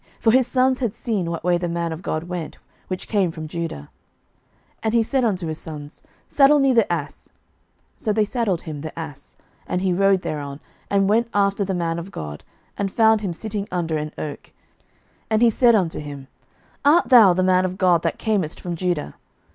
For his sons had seen what way the man of God went, which came from Judah. 11:013:013 And he said unto his sons, Saddle me the ass. So they saddled him the ass: and he rode thereon, 11:013:014 And went after the man of God, and found him sitting under an oak: and he said unto him, Art thou the man of God that camest from Judah?